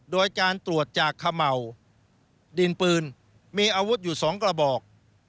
โดยการตรวจจากเขม่าวดินปืนมีอาวุธอยู่๒กระบอก